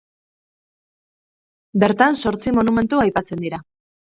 Bertan zortzi monumentu aipatzen dira.